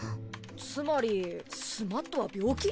つまりスマットは病気？